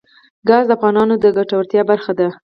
ګاز د افغانانو د ګټورتیا برخه ده.